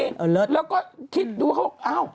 เออเลิศแล้วก็คิดดูเขาว่าอ้าว